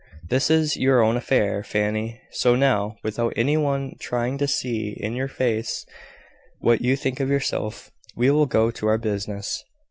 This is your own affair, Fanny; so now, without any one trying to see in your face what you think of yourself, we will go to our business."